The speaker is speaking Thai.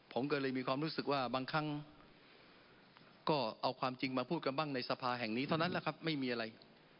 ผมก็เลยมีความรู้สึกว่าบางครั้งก็เอาความจริงมาพูดกันบ้างในสภาแห่งนี้เท่านั้นแหละครับไม่มีอะไร